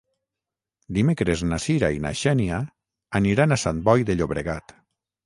Dimecres na Sira i na Xènia aniran a Sant Boi de Llobregat.